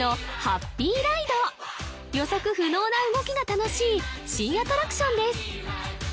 予測不能な動きが楽しい新アトラクションです